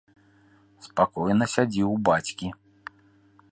Спакойна сядзі ў бацькі.